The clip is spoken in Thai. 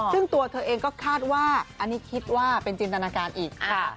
ซึ่งตัวเธอเองก็คาดว่าอันนี้คิดว่าเป็นจินตนาการอีก